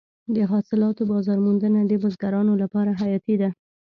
د حاصلاتو بازار موندنه د بزګرانو لپاره حیاتي ده.